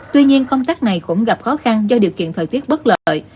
tuy nhiên công tác này cũng gặp khó khăn do điều kiện thời tiết bất lợi